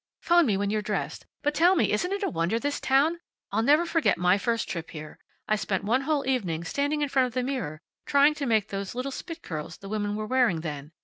"'Phone me when you're dressed. But tell me, isn't it a wonder, this town? I'll never forget my first trip here. I spent one whole evening standing in front of the mirror trying to make those little spit curls the women were wearing then.